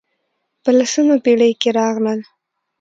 په لسمه پېړۍ کې راغلل.